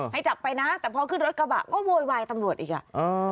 ให้จับไปนะแต่พอขึ้นรถกระบะก็โวยวายตำรวจอีกอ่ะ